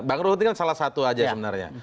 bang ruhut ini kan salah satu aja sebenarnya